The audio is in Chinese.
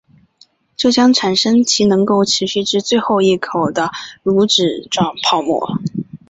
这将产生其能够持续至最后一口的乳脂状泡沫。